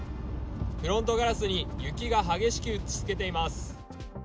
フロントガラスに雪が激しく打ちつけています。